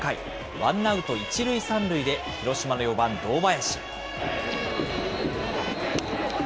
ワンアウト一塁三塁で広島の４番堂林。